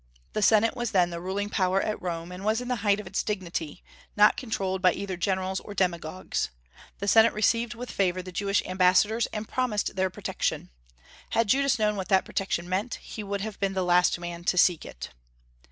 The Senate was then the ruling power at Rome, and was in the height of its dignity, not controlled by either generals or demagogues. The Senate received with favor the Jewish ambassadors, and promised their protection. Had Judas known what that protection meant, he would have been the last man to seek it.